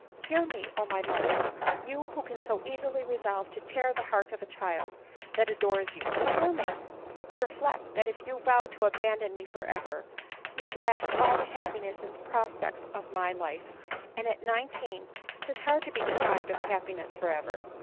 Hear me, O my mother ! You, who can so easily resolve to tear the heart of a child that adores you, hear me ! reflect, that if you vow to abandon me for ever, you blast all the happiness and prospects of my life ; and at nineteen 'tis hard to be deprived of happi ness for ever.